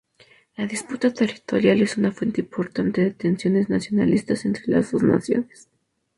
La disputa territorial es una fuente importante de tensiones nacionalistas entre las dos naciones.